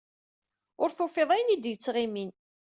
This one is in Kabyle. Ur tufiḍ ayen i d-yettɣimin.